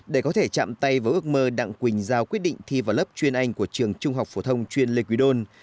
để có thể chạm tay với ước mơ đặng quỳnh giao quyết định thi vào lớp chuyên anh của trường trung học phổ thông chuyên lê quỳ đôn